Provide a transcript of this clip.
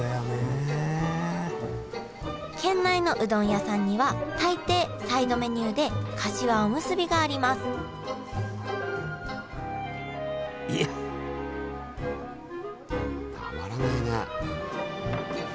県内のうどん屋さんには大抵サイドメニューでかしわおむすびがありますたまらないね。